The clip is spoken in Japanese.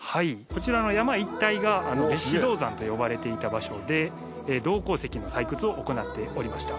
こちらの山一帯が別子銅山と呼ばれていた場所で銅鉱石の採掘を行っておりました。